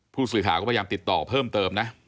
ผู้สื่อข่าวก็พยายามติดต่อเพิ่มเติมนะ